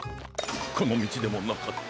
このみちでもなかった。